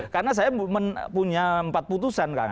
karena saya punya empat putusan